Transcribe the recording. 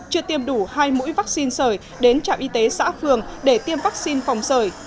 chưa tiêm đủ hai mũi vaccine sởi đến trạm y tế xã phường để tiêm vaccine phòng sởi